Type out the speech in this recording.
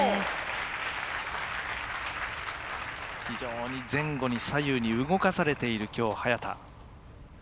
非常に前後に左右に動かされているきょう、早田。